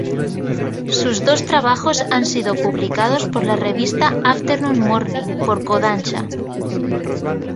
Sus dos trabajos han sido publicados por la revista Afternoon morning por Kōdansha.